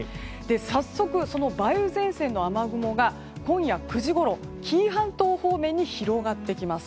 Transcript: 早速、梅雨前線の雨雲が今夜９時ごろ、紀伊半島方面に広がってきます。